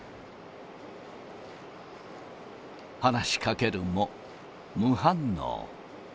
話しかけるも、無反応。